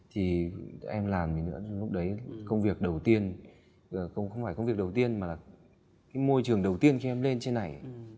thì em làm thì nữa lúc đấy công việc đầu tiên không phải công việc đầu tiên mà là cái môi trường đầu tiên khi em lên trên này